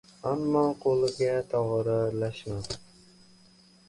Ammo qo‘liga tog‘ora ilashmadi.